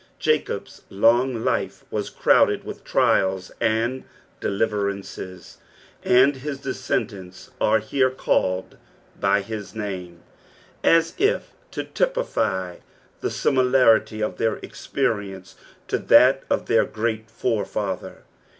Jacob's long life was crowded with trials and deliverances, and his descendants are here called by bis name, as if to typify the similarity of their experience to that of their great forefather.